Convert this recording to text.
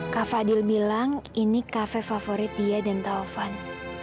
kak fadil bilang ini kafe favorit dia dan taufan